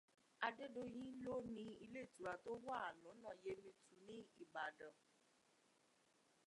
Adédoyin ló ni ilé ìtura tó wà lọ́nà Yemẹtu ní Ìbàdàn